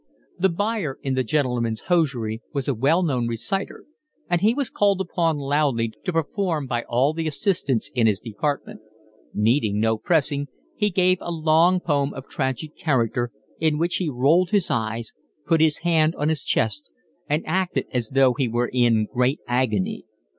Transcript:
The buyer in the 'gentleman's hosiery' was a well known reciter, and he was called upon loudly to perform by all the assistants in his department. Needing no pressing, he gave a long poem of tragic character, in which he rolled his eyes, put his hand on his chest, and acted as though he were in great agony.